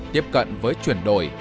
tiếp cận với chuyển đổi